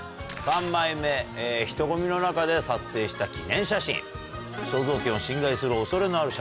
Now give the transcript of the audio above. ３枚目人混みの中で撮影した記念写真。